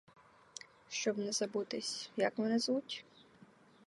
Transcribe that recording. Щоб не забутись, як мене звуть?